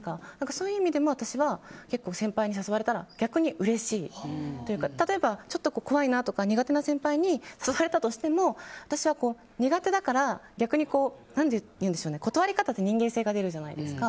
そういう意味でも私は結構先輩に誘われたら逆にうれしいというか例えば、怖いなとか苦手な先輩に誘われたとしても私は苦手だから逆に、断り方って人間性が出るじゃないですか。